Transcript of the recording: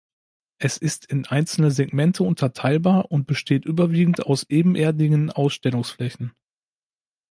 Es ist in einzelne Segmente unterteilbar und besteht überwiegend aus ebenerdigen Ausstellungsflächen.